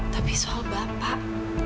tapi soal bapak